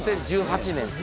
２０１８年。